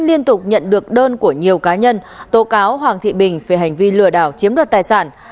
liên tục nhận được đơn của nhiều cá nhân tố cáo hoàng thị bình về hành vi lừa đảo chiếm đoạt tài sản